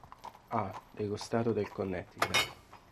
A. dello stato del Connecticut.